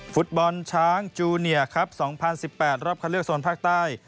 ฟุตบอลช้างจูนเงียร์ครับสองพันสิบแปดรอบคันเลือกส่วนภาคใต้